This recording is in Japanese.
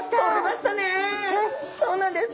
そうなんです。